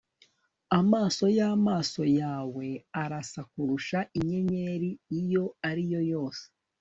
amaso yamaso yawe arasa kurusha inyenyeri iyo ari yo yose